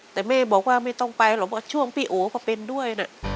แต่แม่บอกว่าไม่ต้องไปหรอกว่าช่วงพี่โอเขาเป็นด้วยนะ